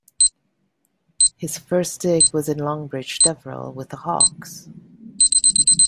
His first dig was in Longbridge Deverill with the Hawkes.